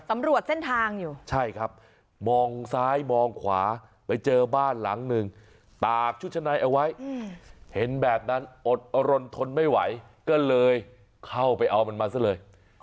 สำรวจเส้นทางอยู่ใช่ครับมองซ้ายมองขวาไปเจอบ้านหลังหนึ่งตากชุดชะในเอาไว้เห็นแบบนั้นอดรนทนไม่ไหวก็เลยเข้าไปเอามันมาซะเลย